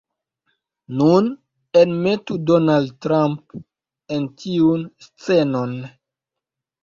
Nun, enmetu Donald Trump en tiun scenon